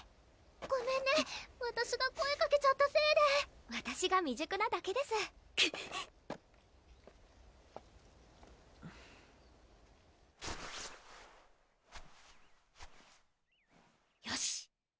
ごめんねわたしが声かけちゃったせいでわたしが未熟なだけですクッよし！